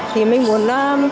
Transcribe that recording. thì mình muốn